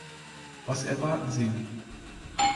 Was erwarten sie?